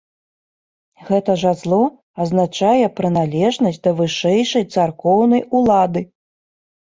Гэтае жазло азначае прыналежнасць да вышэйшай царкоўнай улады.